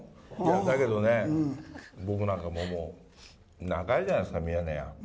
だけどね、僕なんかもう、長いじゃないですか、ミヤネ屋。